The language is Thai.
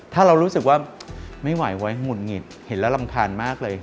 ถ้าเรารู้สึกว่าไม่ไหวไว้หงุดหงิดเห็นแล้วรำคาญมากเลย